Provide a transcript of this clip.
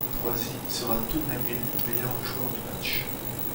Troisi sera tout de même élu meilleur joueur du match.